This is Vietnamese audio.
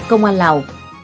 bộ công an lào